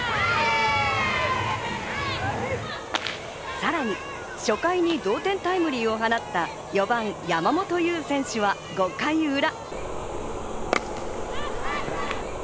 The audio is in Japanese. さらに初回に同点タイムリーを放った４番・山本優選手は５回裏。